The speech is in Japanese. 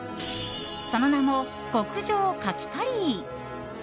その名も極上かきカリー。